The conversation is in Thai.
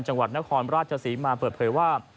จังหวัดนครราชศรีมาเปิดเผยว่า